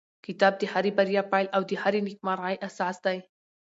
کتاب د هرې بریا پیل او د هرې نېکمرغۍ اساس دی.